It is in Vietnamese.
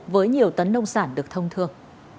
với nhiều tấn nông sản được thông thường